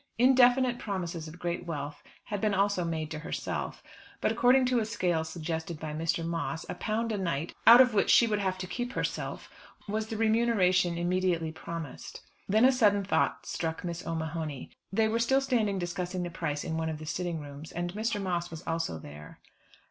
Indefinite promises of great wealth had been also made to herself; but according to a scale suggested by Mr. Moss, a pound a night, out of which she would have to keep herself, was the remuneration immediately promised. Then a sudden thought struck Miss O'Mahony. They were still standing discussing the price in one of the sitting rooms, and Mr. Moss was also there.